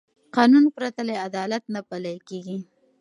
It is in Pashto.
قانون پرته عدالت نه پلي کېږي